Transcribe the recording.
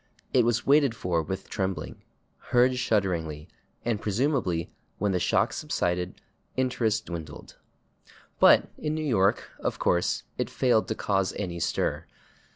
It was waited for with trembling, heard shudderingly, and presumably, when the shock subsided, interest dwindled." But in New York, of course, it failed to cause any stir.